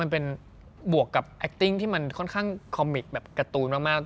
มันเป็นบวกกับแอคติ้งที่มันค่อนข้างคอมมิกแบบการ์ตูนมาก